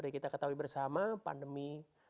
jadi kita ketahui bersama pandemi